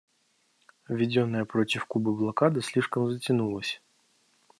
Введенная против Кубы блокада слишком затянулась.